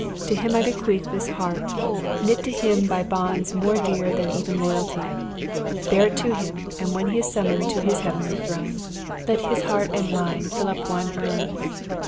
to him I bequeath this heart, knit to him by bonds more dear than even loyalty. Bear it to him; and when he is summoned to his heavenly throne, then let his heart and mine fill up one urn.